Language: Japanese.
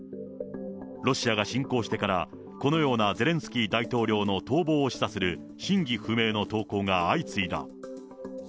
ロシアが侵攻してからこのようなゼレンスキー大統領の逃亡を示唆する真偽不明の投稿が相次いだ。